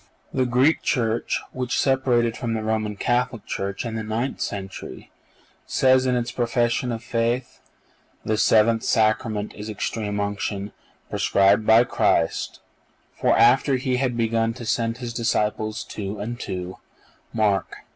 (487) The Greek Church, which separated from the Roman Catholic Church in the ninth century, says in its profession of faith: "The seventh Sacrament is Extreme Unction, prescribed by Christ; for, after He had begun to send His disciples two and two (Mark vi.